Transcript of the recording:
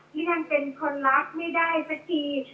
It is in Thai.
ที่ท่านเป็นคนรักไม่ได้สักที